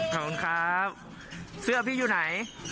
ได้เลยครับขอบคุณครับเสื้อพี่อยู่ไหน